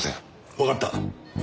わかった。